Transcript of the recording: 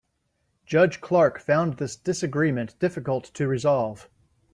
Judge Clark found this disagreement difficult to resolve.